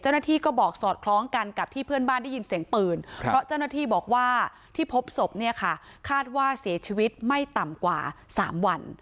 เจ้าหน้าที่ก็บอกสอดคล้องกันกับที่เพื่อนบ้านได้ยินเสียงปืนเพราะเจ้าหน้าที่บอกว่าที่พบศพเนี่ยค่ะคาดว่าเสียชีวิตไม่ต่ำกว่า๓วัน